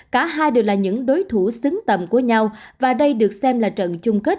cả hai đều là những đối thủ xứng tầm của nhau và đây được xem là trận chung kết